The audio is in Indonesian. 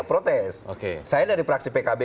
protes saya dari fraksi pkb